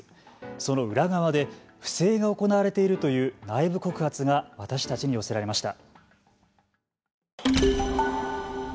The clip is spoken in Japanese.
その裏側で不正が行われているという内部告発が私たちに寄せられました。